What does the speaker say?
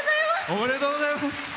おめでとうございます。